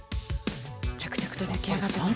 着々と出来上がってます。